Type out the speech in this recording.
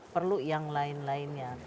perlu yang lain lainnya